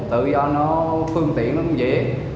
tự do nó phương tiện nó không dễ